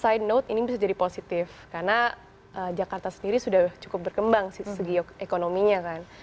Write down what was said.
jadi on a side note ini bisa jadi positif karena jakarta sendiri sudah cukup berkembang segi ekonominya kan